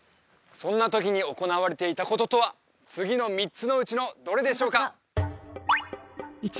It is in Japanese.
そんなときに行われていたこととは次の３つのうちのどれでしょうか？